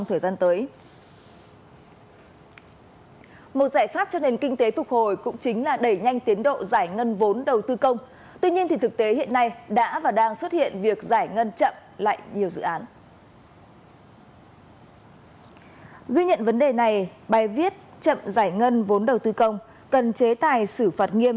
ghi nhận vấn đề này bài viết chậm giải ngân vốn đầu tư công cần chế tài xử phạt nghiêm